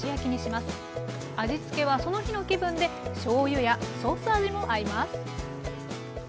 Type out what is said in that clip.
味付けはその日の気分でしょうゆやソース味も合います。